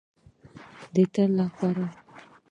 د تل لپاره.